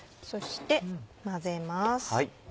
そして混ぜます。